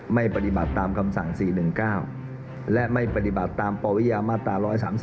ไม่ปฏิบัติตามคำสั่ง๔๑๙และไม่ปฏิบัติตามปวิยามาตรา๑๓๔